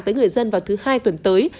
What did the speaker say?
tới người dân vào thứ hai tuần tới